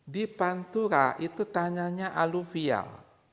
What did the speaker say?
di pantura itu tanyanya aluvial